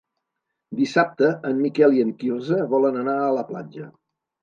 Dissabte en Miquel i en Quirze volen anar a la platja.